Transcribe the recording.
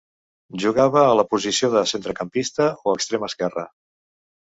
Jugava a la posició de centrecampista o extrem esquerre.